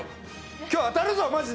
今日当たるぞ、マジで！